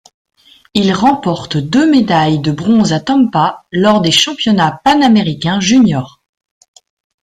Il remporte deux médailles de bronze à Tampa, lors des Championnats panaméricains juniors.